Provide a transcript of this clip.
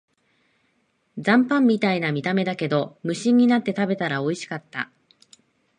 残飯みたいな見た目だけど、無心になって食べたらおいしかった